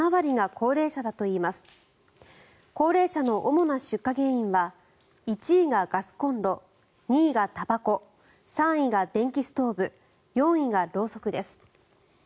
高齢者の主な出火原因は１位がガスコンロ２位がたばこ３位が電気ストーブ４位がろうそくです。